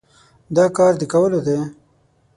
دا کار د کولو دی؟